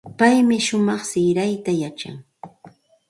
Paymi shumaq sirayta yachan.